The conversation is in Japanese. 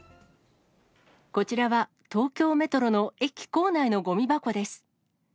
こちらは東京メトロの駅構内のごみ箱です。